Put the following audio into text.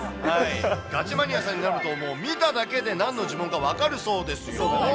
ガチマニアさんになると、もう見ただけでなんの呪文か分かるそうですよ。